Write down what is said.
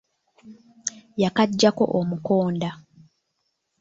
Yakaggyako omukonda.